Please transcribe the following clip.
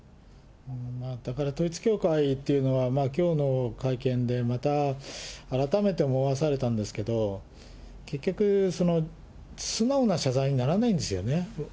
だから統一教会というのは、きょうの会見でまた、改めて思わされたんですけれども、結局、素直な謝罪にならないんですよね。